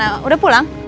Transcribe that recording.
masal dimana udah pulang